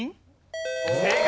正解。